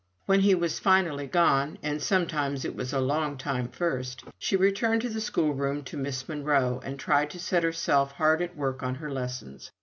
When he was finally gone and sometimes it was a long time first she returned to the schoolroom to Miss Monro, and tried to set herself hard at work on her lessons.